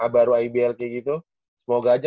baru ibl kayak gitu semoga aja